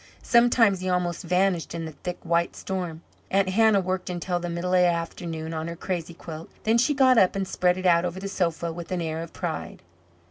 Sometimes he almost vanished in the thick white storm. Aunt Hannah worked until the middle of the afternoon on her crazy quilt. Then she got up and spread it out over the sofa with an air of pride.